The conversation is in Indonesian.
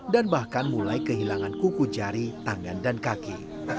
dan bahkan mulai kehilangan kuku jari tangan dan kaki